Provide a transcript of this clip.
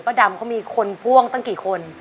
ดำเขามีคนพ่วงตั้งกี่คน